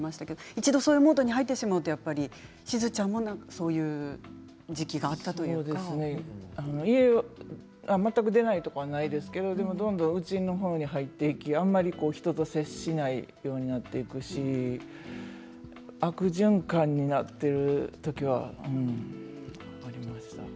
一度そういうモードに入ってしまうとしずちゃんもそういう時期があった家を全く出ないということは、ないんですがどんどん内にこもってしまってあまり人と接しないこともあったし悪循環になっている時はありました。